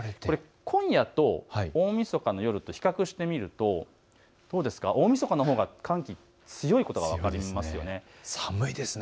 今夜と大みそかの夜と比較してみると大みそかのほうは寒気が強いことが分かりますよね。